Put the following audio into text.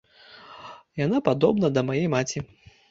Яна падобна да мае маці.